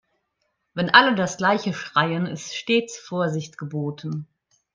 Wenn alle das gleiche schreien, ist stets Vorsicht geboten.